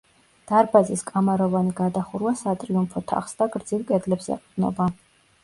დარბაზის კამაროვანი გადახურვა სატრიუმფო თაღს და გრძივ კედლებს ეყრდნობა.